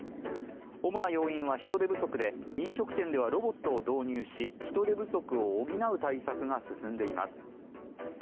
主な要因は人手不足で、飲食店ではロボットを導入し人手不足を補う対策が進んでいます。